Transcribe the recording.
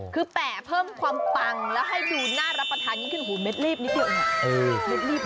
คือแปะเพิ่มความปังแล้วให้ดูน่ารับประทานยิ่งขึ้นหูเม็ดรีบนิดเดียวเอง